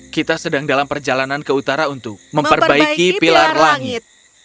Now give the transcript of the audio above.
kita sedang dalam perjalanan ke utara untuk memperbaiki pilar langit